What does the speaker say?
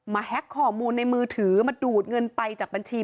แฮ็กข้อมูลในมือถือมาดูดเงินไปจากบัญชี